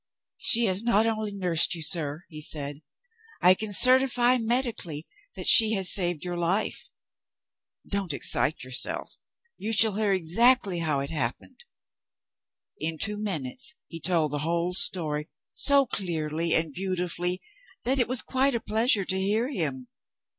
'She has not only nursed you, sir,' he said; 'I can certify medically that she has saved your life. Don't excite yourself. You shall hear exactly how it happened.' In two minutes, he told the whole story, so clearly and beautifully that it was quite a pleasure to hear him.